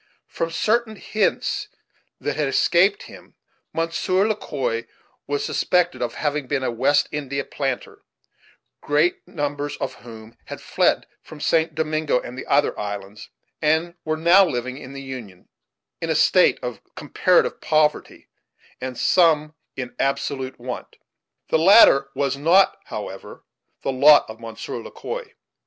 From certain hints that had escaped him, Monsieur Le Quoi was suspected of having been a West India planter, great numbers of whom had fled from St. Domingo and the other islands, and were now living in the Union, in a state of comparative poverty, and some in absolute want The latter was not, however, the lot of Monsieur Le Quoi.